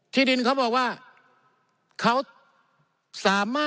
ที่ดินเขาบอกว่า